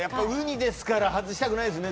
やっぱりウニですから外したくないですね